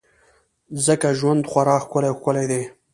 ځکه ژوند خورا ښکلی او ښکلی دی.